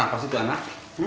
nah apa sih tuh anak